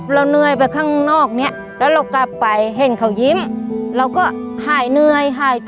เหนื่อยไปข้างนอกเนี้ยแล้วเรากลับไปเห็นเขายิ้มเราก็หายเหนื่อยหายใจ